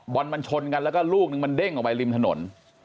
บอลมันชนกันแล้วก็ลูกนึงมันเด้งออกไปริมถนน